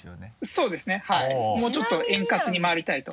そうですねはいもうちょっと円滑に回りたいと。